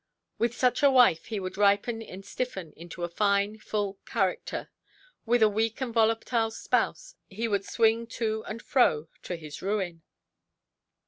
With such a wife, he would ripen and stiffen into a fine, full character; with a weak and volatile spouse, he would swing to and fro to his ruin.